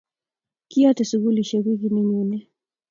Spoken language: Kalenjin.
Kiyote sikulishek wikit neyone